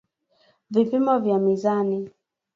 Vipimo vya mizani